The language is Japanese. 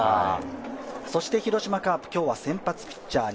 広島カープ、今日は先発ピッチャー